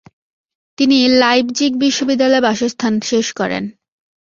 তিনি লাইপজিগ বিশ্ববিদ্যালয়ে বাসস্থান শেষ করেন।